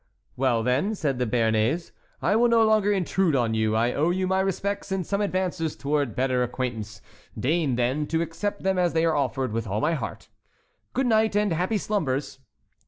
"Well, then," said the Béarnais, "I will no longer intrude on you. I owed you my respects, and some advances toward better acquaintance; deign, then, to accept them, as they are offered, with all my heart. Good night, and happy slumbers!"